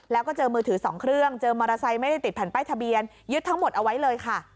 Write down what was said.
แล้วก็เจอมือถือ๒เครื่องเจอมอเตอร์ไซค์ไม่ได้ติดแผ่นป้ายทะเบียนยึดทั้งหมดเอาไว้เลยค่ะ